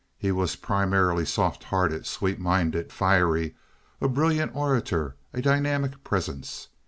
He was primarily soft hearted, sweet minded, fiery, a brilliant orator, a dynamic presence.